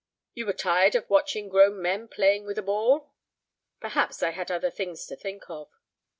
"You were tired of watching grown men playing with a ball?" "Perhaps I had other things to think of."